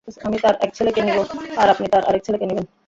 আমি তার এক ছেলেকে নিব আর আপনি তার আরেক ছেলেকে নিবেন।